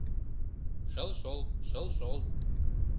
Шыл-шол, шыл-шол